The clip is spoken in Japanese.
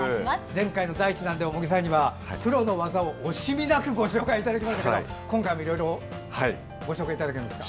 前回の第１弾でも茂木さんにはプロの技を惜しみなくご紹介いただきましたけど今回もいろいろご紹介いただけるんですか。